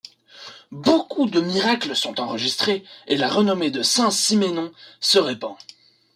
Beaucoup de miracles sont enregistrés et la renommée de saint Siménon se répand.